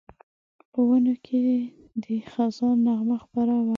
په ونو کې د خزان نغمه خپره وي